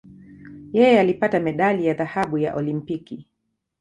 Yeye alipata medali ya dhahabu ya Olimpiki.